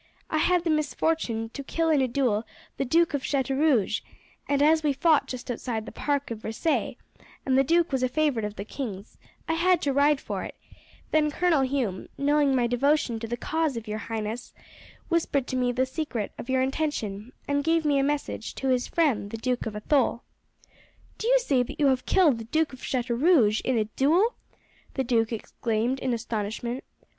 I had the misfortune to kill in a duel the Duke of Chateaurouge, and as we fought just outside the park of Versailles, and the duke was a favourite of the king's, I had to ride for it; then Colonel Hume, knowing my devotion to the cause of your highness, whispered to me the secret of your intention, and gave me a message to his friend the Duke of Athole." "Do you say that you have killed the Duke of Chateaurouge in a duel?" the duke exclaimed in astonishment.